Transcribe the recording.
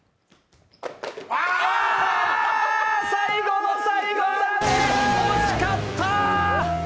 最後の最後、惜しかった。